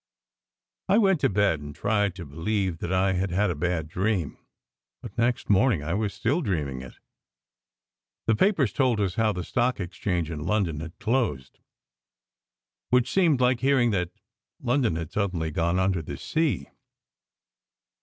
I went to bed and tried to believe that I had had a bad dream, but next morning I was still dreaming it. The papers told us how the Stock Exchange in London had closed, which seemed like hearing that England had sud denly gone under the sea.